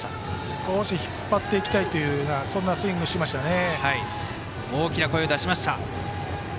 少し引っ張っていきたいというようなそんなスイングしましたね。